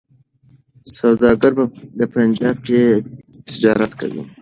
سوداګر په پنجاب کي تجارت کوي.